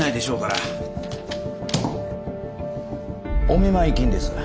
お見舞金です。